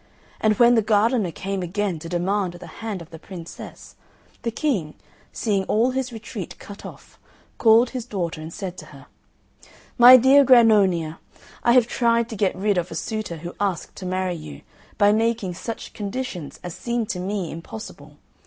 And when the gardener came again to demand the hand of the Princess, the King, seeing all his retreat cut off, called his daughter, and said to her, "My dear Grannonia, I have tried to get rid of a suitor who asked to marry you, by making such conditions as seemed to me impossible.